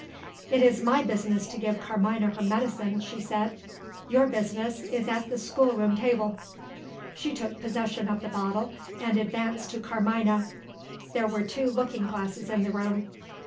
"It is my business to give Carmina her medicine," she said. "Your business is at the schoolroom table." She took possession of the bottle, and advanced to Carmina. There were two looking glasses in the room.